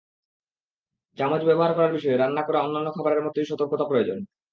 চামচ ব্যবহার করার বিষয়ে রান্না করা অন্যান্য খাবারের মতোই সতর্কতা প্রয়োজন।